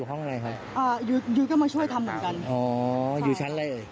ชั้น๑๐ค่ะ